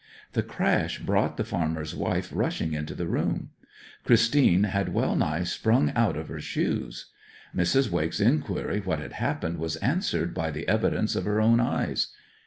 The crash brought the farmer's wife rushing into the room. Christine had well nigh sprung out of her shoes. Mrs. Wake's enquiry what had happened was answered by the evidence of her own eyes.